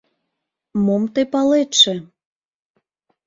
Мом тый палетше?..